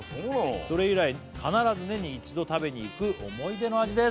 「それ以来必ず年に一度食べに行く思い出の味です」